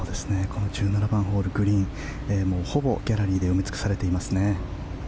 この１７番ホール、グリーンほぼギャラリーで埋め尽くされていますね。